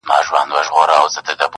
پرون مي غوښي د زړگي خوراك وې